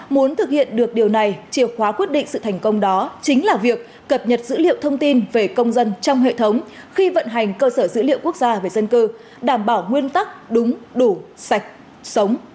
muốn thực hiện được điều này chìa khóa quyết định sự thành công đó chính là việc cập nhật dữ liệu thông tin về công dân trong hệ thống khi vận hành cơ sở dữ liệu quốc gia về dân cư đảm bảo nguyên tắc đúng đủ sạch sống